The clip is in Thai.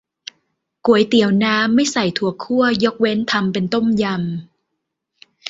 ก๋วยเตี๋ยวน้ำ ไม่ใส่ถั่วคั่ว ยกเว้นทำเป็นต้มยำ